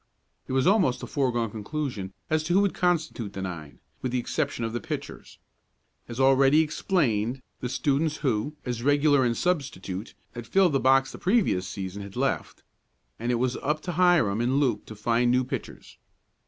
It was almost a foregone conclusion as to who would constitute the nine, with the exception of the pitchers. As already explained, the students who, as regular and substitute, had filled the box the previous season had left, and it was up to Hiram and Luke to find new pitchers.